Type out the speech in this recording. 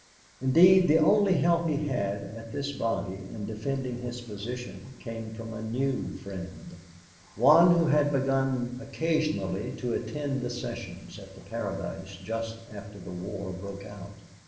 Indeed the only help he had at this body in defending his position came from a new friend, one who had begun occasionally to attend the sessions at the Paradise just after the war broke out.